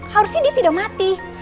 harusnya dia tidak mati